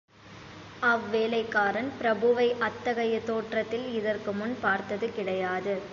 அவ் வேலைக்காரன் பிரபுவை அத்தகைய தோற்றத்தில் இதற்கு முன் பார்த்தது கிடையாது.